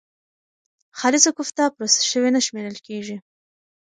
خالصه کوفته پروسس شوې نه شمېرل کېږي.